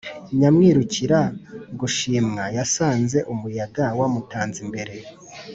nyamwirukira gushimwa yasanze umuyaga wamutanze imbere. \